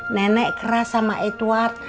nenek keras sama edward